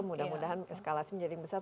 mudah mudahan eskalasi menjadi besar